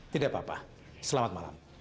tidak apa apa selamat malam